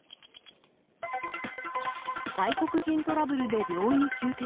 外国人トラブルで病院集結。